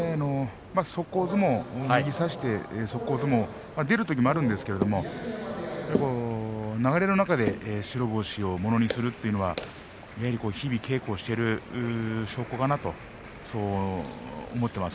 速攻相撲右差して速攻相撲出るときもあるんですけど流れの中で白星をものにするというのはやはり日々稽古をしている証拠かなと思っています。